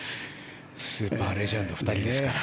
スーパーレジェンド２人ですから。